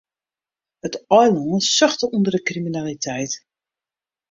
It eilân suchte ûnder de kriminaliteit.